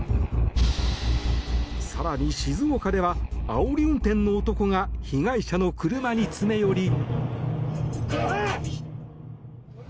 更に静岡では、あおり運転の男が被害者の車に詰め寄り。